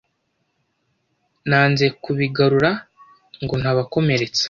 nanze kubigarura ngo ntabakomeretsa